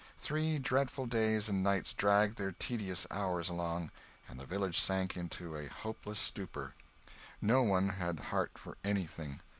Three dreadful days and nights dragged their tedious hours along, and the village sank into a hopeless stupor. No one had heart for anything.